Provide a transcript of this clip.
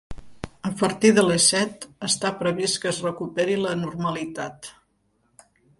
A partir de les set està previst que es recuperi la normalitat.